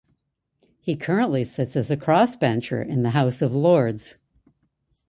He currently sits as a crossbencher in the House of Lords.